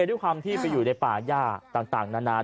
ด้วยความที่ไปอยู่ในป่าย่าต่างนาน